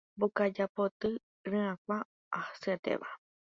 Mbokaja poty ryakuã asyetéva